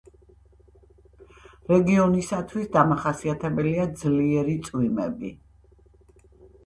რეგიონისათვის დამახასიეთებელია ძლიერი წვიმები.